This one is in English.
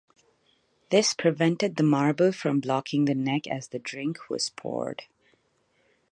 This prevented the marble from blocking the neck as the drink was poured.